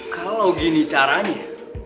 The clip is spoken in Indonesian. kalau gini caranya